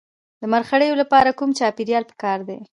د مرخیړیو لپاره کوم چاپیریال پکار دی؟